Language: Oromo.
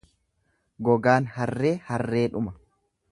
Gogaan harree harreedhuma.